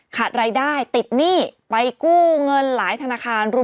ขาดรายได้ติดหนี้ไปกู้เงินหลายธนาคาร